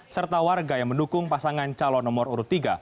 serta warga yang mendukung pasangan calon nomor urut tiga